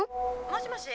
もしもし？